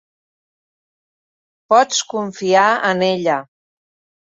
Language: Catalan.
Pots confiar en ella.